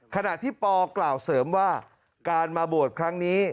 ขณะที่ปกล่าวเสริมว่าการมาบวชครั้งนี้